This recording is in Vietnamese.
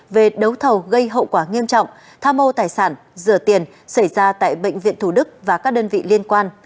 về đấu thầu gây hậu quả nghiêm trọng tham mô tài sản rửa tiền xảy ra tại bệnh viện thủ đức và các đơn vị liên quan